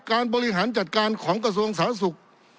บริหารจัดการของกระทรวงสาธารณสุข